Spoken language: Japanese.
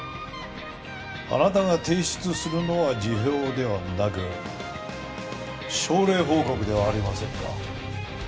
あなたが提出するのは辞表ではなく症例報告ではありませんか？